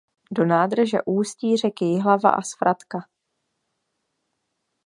Do nádrže ústí řeky Jihlava a Svratka.